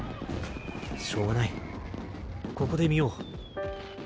しょうがないここで見よう。